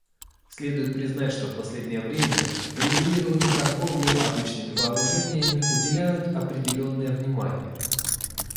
Следует признать, что в последнее время регулированию торговли обычными вооружениями уделяется определенное внимание.